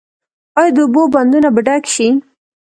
آیا د اوبو بندونه به ډک شي؟